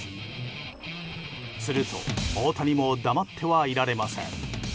すると、大谷も黙ってはいられません。